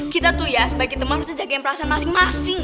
kita tuh ya sebagai teman harusnya jagain perasaan masing masing